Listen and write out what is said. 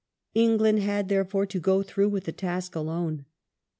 England had; therefore, to go through with the task alone.